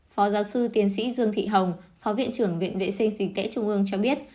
phó giáo sư tiến sĩ dương thị hồng phó viện trưởng viện vệ sinh dịch tễ trung ương cho biết